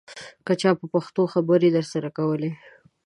که چا په پښتو خبرې درسره کولې.